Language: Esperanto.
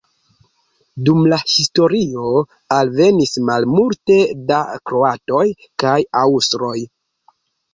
Dum la historio alvenis malmulte da kroatoj kaj aŭstroj.